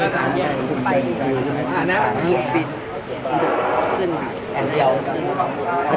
สารแยกหรือบิน